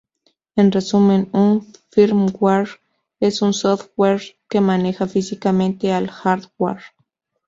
En resumen, un "firmware" es un software que maneja físicamente al "hardware".